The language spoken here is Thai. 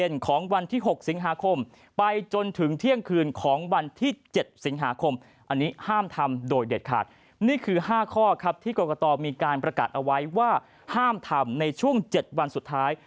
นี่คือข้อครับที่กรกตมีการประกาศเอาไว้ว่าห้ามทำในช่วง๗วันสุดท้าย